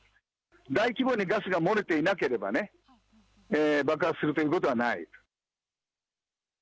大規模にガスが漏れていなければね、爆発するということはない。